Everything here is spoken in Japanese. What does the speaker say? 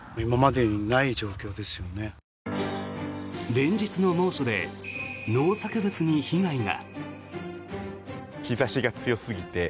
連日の猛暑で農作物に被害が。